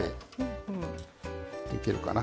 いけるかな。